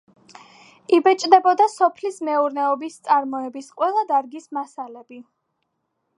იბეჭდებოდა სოფლის მეურნეობის წარმოების ყველა დარგის მასალები.